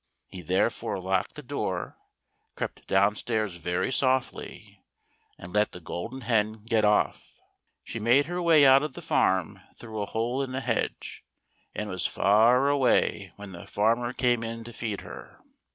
He therefore locked the door, crept downstairs very softly, and let the Golden Hen get off. She made her way out of the farm through a hole in the hedge, and was far away when the farmer came in to feed her.